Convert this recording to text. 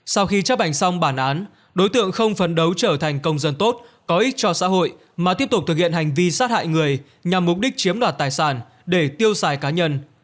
sau khi chấp hành xong bản án đối tượng không phấn đấu trở thành công dân tốt có ích cho xã hội mà tiếp tục thực hiện hành vi sát hại người nhằm mục đích chiếm đoạt tài sản để tiêu xài cá nhân